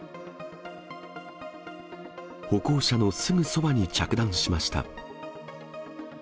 歩行者のすぐそばに着弾しました。